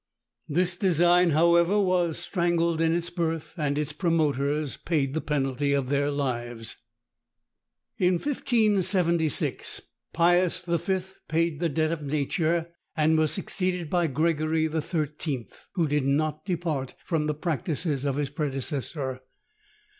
This design, however, was strangled in its birth, and its promoters paid the penalty of their lives. In 1576 Pius V. paid the debt of nature, and was succeeded by Gregory XIII., who did not depart from the practices of his predecessor.